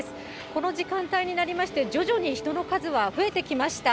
この時間帯になりまして、徐々に人の数は増えてきました。